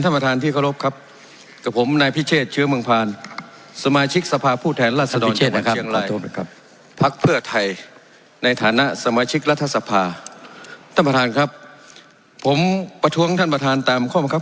คำหน้าการตอบต้านจนหนักฉีดครับขอบคุณครับครับท่านประธานครับ